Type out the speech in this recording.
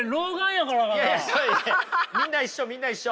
みんな一緒みんな一緒。